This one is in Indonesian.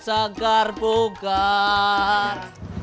es daun segar bugar